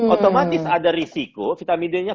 otomatis ada risiko vitamin d nya